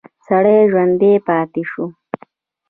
سړی ژوندی پاتې شو.